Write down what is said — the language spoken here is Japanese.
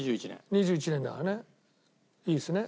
２１年だからねいいですね？